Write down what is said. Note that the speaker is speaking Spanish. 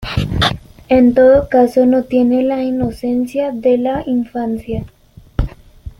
En todo caso, no tiene la inocencia de la infancia.